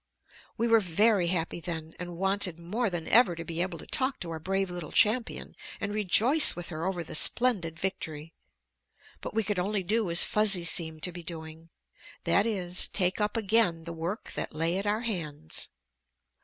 We were very happy, then, and wanted more than ever to be able to talk to our brave little champion and rejoice with her over the splendid victory. But we could only do as Fuzzy seemed to be doing. That is, take up again the work that lay at our hands.